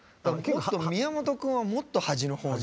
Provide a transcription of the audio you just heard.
宮本君はもっと端の方に。